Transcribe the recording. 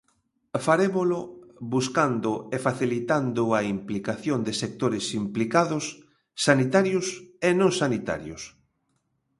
Farémolo buscando e facilitando a implicación de sectores implicados, sanitarios e non sanitarios.